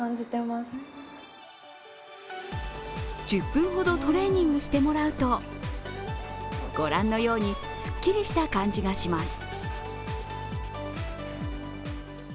１０分ほどトレーニングしてもらうと御覧のように、すっきりした感じがします。